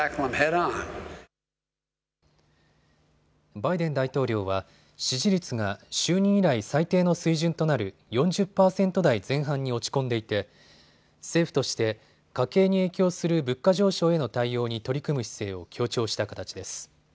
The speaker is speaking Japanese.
バイデン大統領は支持率が就任以来最低の水準となる４０％台前半に落ち込んでいて政府として家計に影響する物価上昇への対応に取り組む姿勢を強調した形です。